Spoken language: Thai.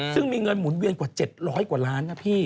ซึ่งมีเงินหมุนเวียนกว่า๗๐๐กว่าล้านนะพี่